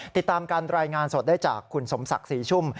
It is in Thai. ติดตามการรายงานสดได้จากคุณสมศักดิ์ศรีชุ่ม